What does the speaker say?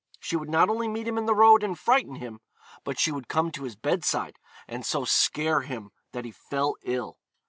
She would not only meet him in the road, and frighten him, but she would come to his bedside, and so scare him that he fell ill.